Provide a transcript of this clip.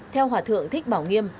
theo hòa thượng thích bảo nghiêm